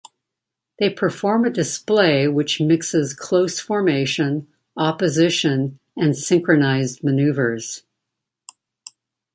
They perform a display which mixes close formation, opposition and synchronised manoeuvres.